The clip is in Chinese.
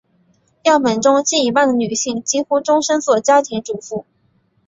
样本中近一半的女性几乎终生做家庭主妇。